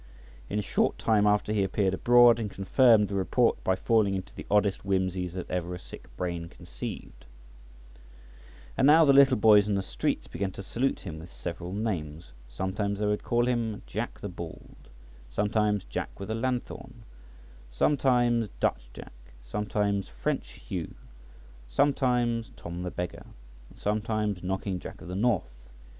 In a short time after he appeared abroad, and confirmed the report by falling into the oddest whimsies that ever a sick brain conceived. And now the little boys in the streets began to salute him with several names. Sometimes they would call him Jack the Bald, sometimes Jack with a Lanthorn, sometimes Dutch Jack, sometimes French Hugh, sometimes Tom the Beggar, and sometimes Knocking Jack of the North .